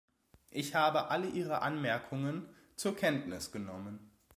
Ich habe alle Ihre Anmerkungen zur Kenntnis genommen.